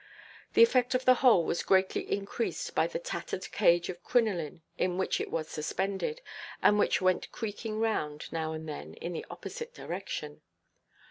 The effect of the whole was greatly increased by the tattered cage of crinoline in which it was suspended, and which went creaking round, now and then, in the opposite direction.